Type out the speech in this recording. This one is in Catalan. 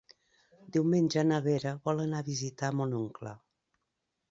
Diumenge na Vera vol anar a visitar mon oncle.